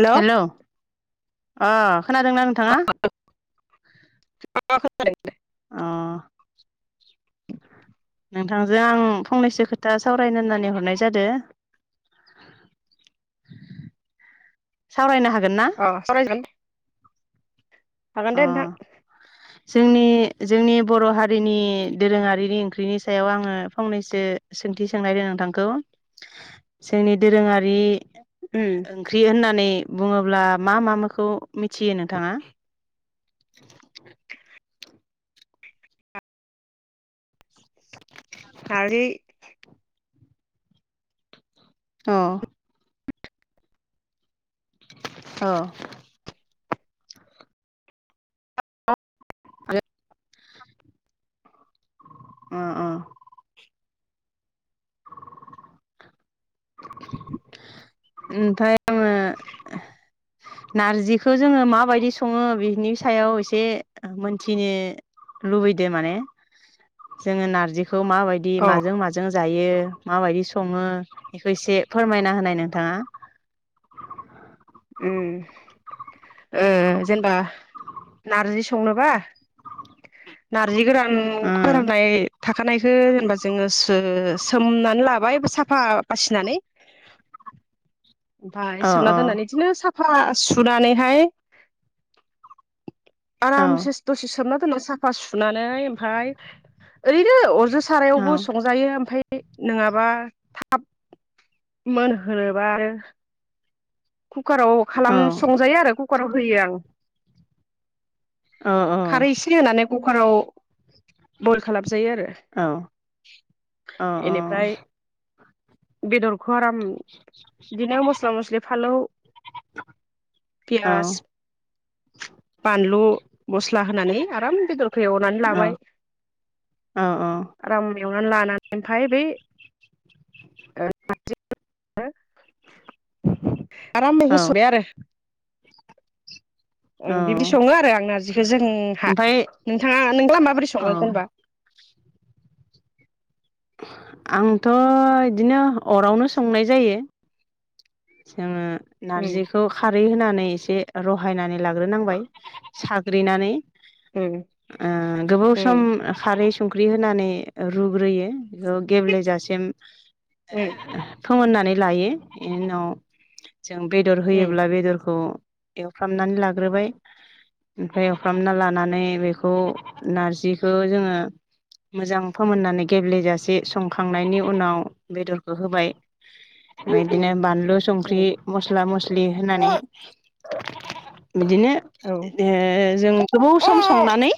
हेल' अ हेलौ? अ। खोनादोंना नोंथांङा खोनादों अ। [inaudible] नोंथांजों आं फंनैसो खोथा सावरायनो होननानै हरनाय जादो। सावरायनो हागोन। ना अ सावराय जागोन अ हागोनदे नोंथां जोंनि जोंनि बर हारिनि दोरोंङारिनि ओंख्रिनि सायाव आंङो फंनैसो सोंथि सोंनायदों नोंथांखौ जोंनि दोरोङारि उम ओंख्रि होननानै बुंङोब्ला मा-मा माखौ मिथियो नोंथांङा? [inaudible] [inaudible] नारजि अ औ अ-अ [inaudible] उमफाय आंङो नार्जिखौ जोंङो माबायदि संङो बिनि सायाव एसे मोनथिनो लुबैदों माने जोंङो नारजि खौ माबायदि अ माजों माजों जायो माबायदि संङो बेखौ एसे फोरमायना होनाय नोंथाङा। उम ओ जेनेबा नारजि संनोबा नारजि गोरान उम फोराननाय थाखानायखो जेनेबा जोंङो सोमनानै लाबाय, साफा बासिनानै ओमफाय औ सोमना दोननानै बिदिनो साफा सुनानैहाय औ आरामसे दसे सोमना साफा सुनानै ओमफाय ओैरैनो अरजों औ सारायावबो संजायो ओमफ्राय नोंङाबा थाब मोनहोबा आरो कुकाराव औ खालाम संजायो आरो कुकाराव होयो आं। औ खारै एसे होनानै कुकाराव बइल खालामजायो आरो औ औ इनिफ्राय बेदर गरम देनाय मस्ला-मस्लि फालौ, फियास, बानलु, मस्ला होनानै आराम बेदरखौ एवनानै लाबाय, औ आराम एवनानै लानानै ओमफाय बे [unintelligible] आरामै औ होसरे आरो ओं बिबदि सङो आरो आं नारजिखौ जोंहा, ओमफ्राय नोंथाङा नोंब्ला माबोरै औ सङो जेनेबा? आंथ' बिदिनो अरावनो संनाय जायो। जोङो उम नारजिखौ खारै होनानै जे रहायनानै लाग्रोनांबाय साग्रिनानै ओ गोबाव सम उम ओ खारै संख्रि होनानै रुग्रोयो। बेखौ गेब्लेेजासिम। उम फोमोननानै लायो इनि उनाव जों बेदर उम होयोब्ला बेदरखौ एवफ्रामनानै लाग्रोबाय ओमफाय एवफ्रामना लानानै बेखौ नारजिखौ जोङो मोजां फोमोननानै गेब्लेेजासे संखांनायनि उनाव बेदरखौ होबाय बिदिनो बानलु संख्रि, उम मस्ला मसलि लि होनानै बिदिनो औ ओ जों गोबाव सम संनानै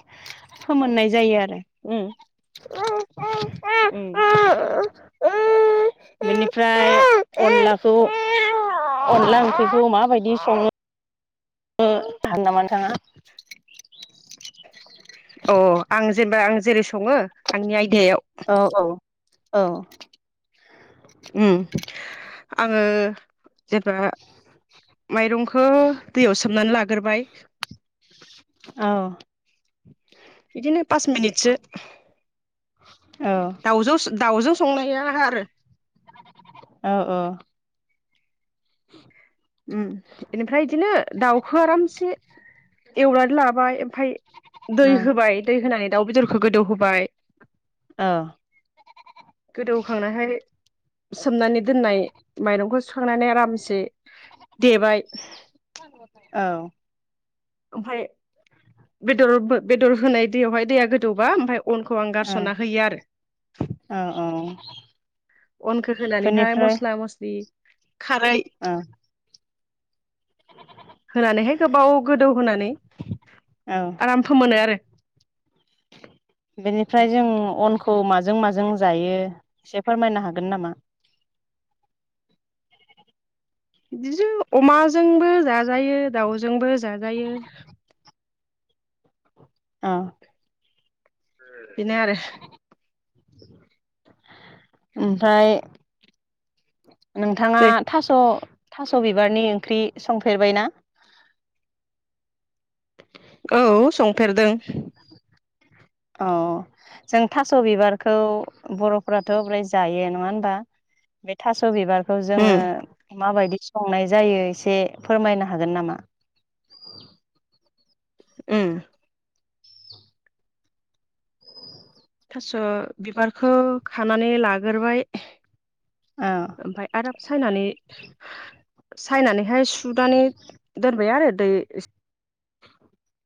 फोमोननाय जायो आर उम। [unintelligible] उम। बेनिफ्राय अनलाखौ अनला ओंख्रिखौ माबायदि सङो थान्दामान थाङा अ आं जेनेबा आं जेरै सङो आंनि आयदायाव। औ औ औ। उम आङो जेबा माइरंखौ दैयाव सोमनानै लाग गोरबायाइक औ। बिदिनो पास मिनिटसो औ दाउजौ दाउजों संनाया आरो। औ औ। [inaudible] उम बेनिफ्राय एदिनो दाउखौ आरामसे एवनानै लाबाय। फाय दै होबाय दै होनानै दाउ बेदरखौ गोदौ होबाय औ। गोदौखांनायहाय सोमनानै दोननाय माइरंखौ सुखांनानै आरामसे देबाय। औ ओमफाय बेदर बो बेदर होनाय दैयावहाय दैया गोदौबा ओमफ्राय अनखौ आं औ गारस'ना होयो आरो। औ औ अनखौ होनानैहाय बेनिफ्राय मस्ला मस्लि खारै औ होनानैहाय गोबाव गोदौ होनानै औ आराम फोमोनो आरो। बेनिफ्राय जों अनख खौ माजों माजों जायो एसे फोरमायनो हागोन नामा? बिदिजो अमाजोंबो जाजायो दाउजोंबो जाजायो। औ बिनो आरो ओमफाय नोंथाङा नै थास' थास' बिबारनि ओंख्रि संफेरबायना? औ संफेरदों। अ जों थास' बिबारखौ बर'फोराथ' ब्राय जायो नङा हबा बे थास' बिबार खौ उम जोङो माबायदि संनाय जायो एसे फोरमायनो हागोन नामा? उम थास' बिबारखौ खानानै लाग्रोबाय। औ ओमफाय आरोब सायनानै सायनानैहाय सुनानै दोनबाय आरो। दै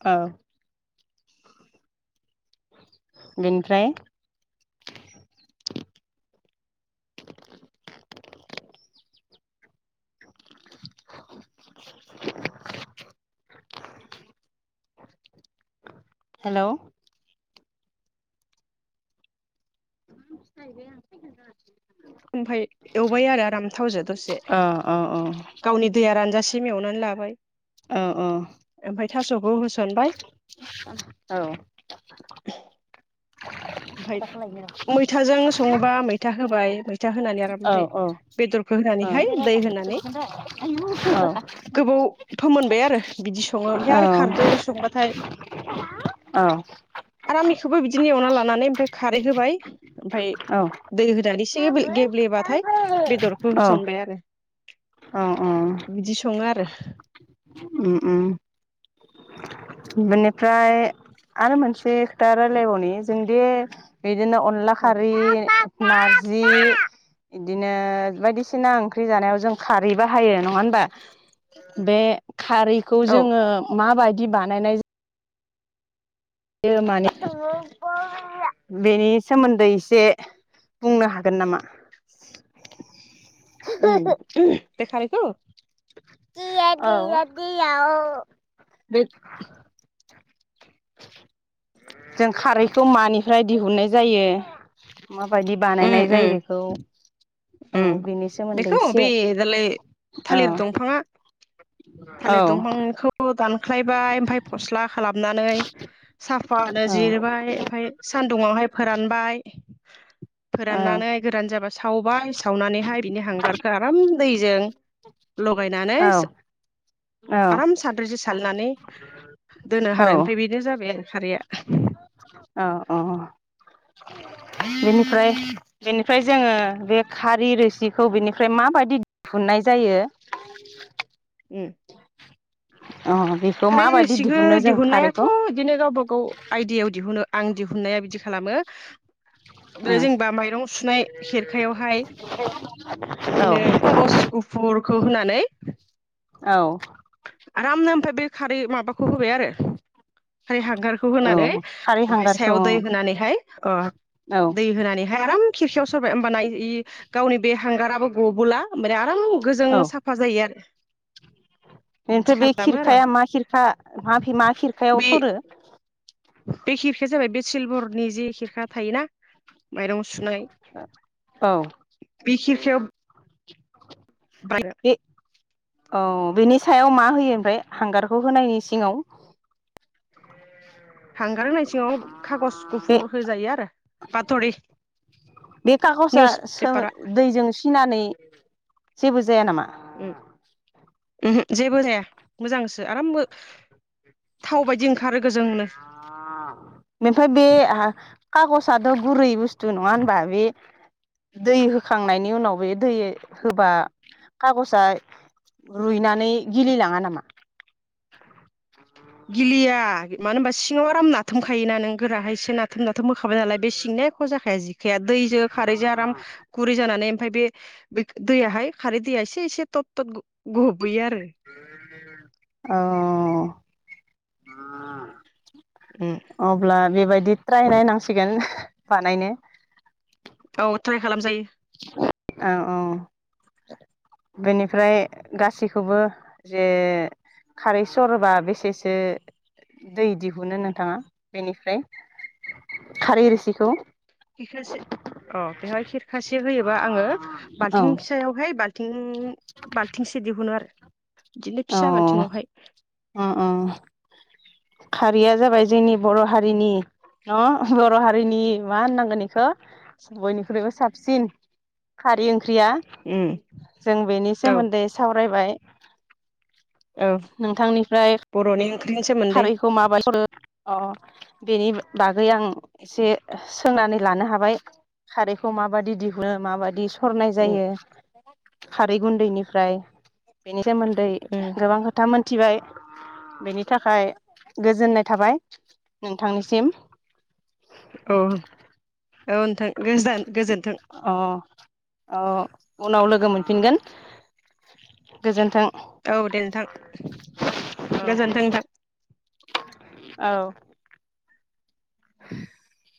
औ बेनिफ्राय हेल' [unintelligible] ओमफाय एवबाय आरो आराम थावजों दसे अ अ अ औ गावनि दैया रानजा सिम एवनानै लाबाय। औ औ ओमफ्राय थास'खौ होस औ ओमफाय औ मैथाजों सङोबा मैथा होबाय मैथ औ होनानैहाय दै होनानै औ गोबाव फोमोनबाय आरो औ बिदि सङो ओमफ्राय आरो खारदैजों संबाथाय औ औ। खोबो बिदि एवना लां नानै ओमफाय खारै होबाय ओमफ्राय दै होनानै एसे गेब्लेबाथाय बेदरखौ होसनबाय आरो बिदि सङो आरो उ उ बेनिफ्राय आरो मोनसे खोथा रायलायबावनि जों दे बिदिनो अनला औ खारै नारजि बिदिनो बायदिसिना ओंख्रि जानायाव जों खारै बाहायो नङा हबा बे खारैखौ औ जोङो माबाय दि बा नायनाय बेयो माने बेनि सोमोन्दै एसे बुंनो हागोन नामा? उ उ बे खारै खौ [inaudible] बे जों खारैखौ मानिफ्राय दिहुननाय जायो। माबायदि उम बानायनाय जायो उम बेखौ औ उम बेनि सोमोन्दै बेखौ बे एसे दालाय औ थालिर दंफाङा औ थालिर दंफांखौ दानख्लायबाय ओमफाय फस्ला खालाम हमनानै साफानो औ जिरबाय ओमफाय सानदुुंआवहाय फोरानबाय औ फोराननानै गोरान जाबा सावबाय सावनानैहाय बिनि हांगारखौ आराम दैजों लगायनानै औ औ आराम सान्द्रिजों सालिनानै दोनो आरो औ ओमफ्राय बेनो जाबाय आरो खारैया औ औ बेनिफ्राय बेनिफ्राय जोंङो बे खारै रोसिखौ बेनिफ्राय माबायदि दिहुननाय जायो। उम अ बेखौ खारै माबायदि रोसिखौ दिहुनो जों दिहुननायाथ खारैखौ बिदिनो गावब गाव आइडायाव दिहुनो आं दिहुननाया बिदि खालामो औ बे जेनबा माइरं सुनाय खेरखायावहाय बिदिनो औ खागज गुफुर खौ होनानै औ आरामनो ओमफ्राय बे खारै माबाखौ होबाय आरो ओफाय हांगारखौ औ होनानै खारै ओमफाय हांगारखौ सायाव दै होनानैहाय ओ औ दै होनानैहाय आराम खिरखयाव सरबाय होमबाना गावनि बे हांगाराबो गबोला होनबाना आराम गोजों औ साफा जायो आरो। बिदि बेनिफ्राय बे खालामो आरो आं खिरखाया मा खिरखा मा खिरखायाव बे सरो? बे खिरखिाया जाबाय बे सिलभरनि जे खिरखा थायोना? माइरं सुनाय औ बे खि सोब [inaudible] बे [inaudible] औ बेनि सायाव मा होयो ओमफ्राय हांगारखौ होनायनि सिङाव हांगार होननाय सिङाव खागज बे गुफुर होजायो आरो बातरि बे खागजआ निउस सो पेपारा दैजों सिनानै जेबो जाया नामा? उम उमहो जेबो जाया मोजांसो आरामबो थाव बायदि ओंखारो। गोजोंनो [unintelligible] ओमफ्राम बे बे खागजआथ गुरै बुस्थु नङा होनबा बे दै होखांनायनि उनाव बे दै होबा खागजआ रुइनानै गिलिलाङा नामा? गिलिया मानो होनबा सिङाव आराम नाथामखायोना नों गोराहाय एसे नाथाम नाथोम होखाबाय नालाय बे सिंनिया एख जाखाया जि जखाया दैजों खारैजों आराम गुरै जानानै ओमफाय बे दैयाहाय खारै दैया एसे एसे थट थट गबैयो आरो। अ [unintelligible] उम अब्ला बेबायदि ट्राय नायनांसिगोन बानायनो औ ट्राय खालामजायो। औ औ बेनिफ्राय गासैखौबो जे खारै सरबा बेसेसो दै दिहुनो नोंथाङा बेनिफ्राय खारै रोसिखौ खिरखासे औ बेवहाय खिरखासे होयो बा आंङो औ बालथिं फिसायाव हाय बा बालथिं बाल्थिंसे दिहुनो आरो। बिदिनो अ फिसा बाल्थिङावहाय अ अ। खारिया जाबाय जोंनि बर हारिनि बर हारिनि मा होननांगोन बेखौ बयनिख्रुइबो साबसिन खारि ओं ख्रिया उम जों बेनि औ सोमोन्दै सावरायबाय औ नोंथांनिफ्राय बर'नि ओंख्रिनि सोमोन्दै खारैखौ माबाय सरो? [unintelligible] अ बेनि बागै आं एसे सोंनानै लानो हाबाय खारैखौ माबायदि दिहुनो माबायदि सरनाय उम जायो। खारै गुन्दैनिफ्राय बेनि सोमोन्दै उम गोबां खोथा मोन थिबाय बेनि नि थाखाय गोजोननाय थाबाय नोंथांनिसिम। औ। औ नोंथां गोजान गोजोनथों। अ अ उनाव लोगो मोनफिनगोन गोजोन्थों। औ दे नोंथां औ गोजोनथों नोंथां। औ। [unintelligible]